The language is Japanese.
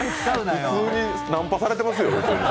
普通にナンパされてますよ。